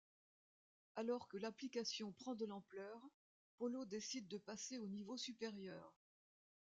Alors que l'application prend de l'ampleur, Paulo décide de passer au niveau supérieur.